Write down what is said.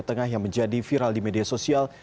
tengah yang menjadi viral di media sosial